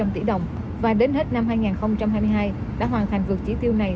một trăm một mươi sáu năm trăm linh tỷ đồng và đến hết năm hai nghìn hai mươi hai đã hoàn thành vượt chỉ tiêu này